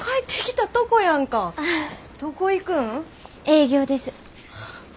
営業です。